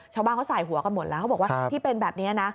ชาวบ้านเขาใส่หัวกันหมดแล้วเขาบอกว่าที่เป็นแบบนี้นะ